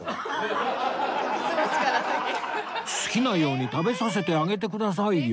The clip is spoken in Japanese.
好きなように食べさせてあげてくださいよ